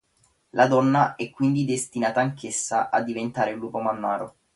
La donna è quindi destinata anch'essa a diventare un lupo mannaro.